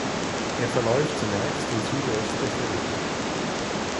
Er verläuft zunächst in südöstlicher Richtung.